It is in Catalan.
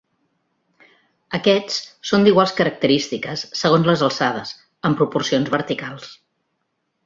Aquests són d'iguals característiques segons les alçades, amb proporcions verticals.